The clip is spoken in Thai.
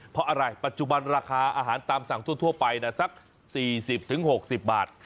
เพราะอะไรปัจจุบันราคาอาหารตามสั่งทั่วไปสัก๔๐๖๐บาท